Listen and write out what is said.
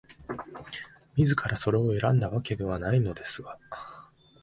自らそれを選んだわけではないのですが、